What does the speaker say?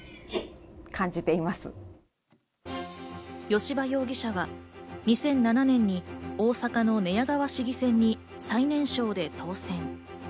吉羽容疑者は２００７年に大阪の寝屋川市議選に最年少で当選。